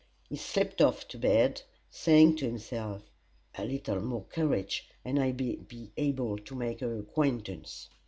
"] He slipped off to bed, saying to himself: "A little more courage, and I may be able to make her acquaintance."